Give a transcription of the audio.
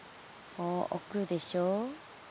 こうおくでしょ。